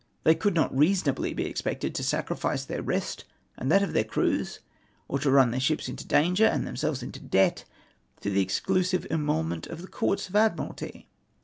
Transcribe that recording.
They could not reasonably be ex pected to sacrifice their rest and that of their crews, or to run then ships into danger and themselves into debt, for the exclusive emolument of the Comt s of Ad mkalty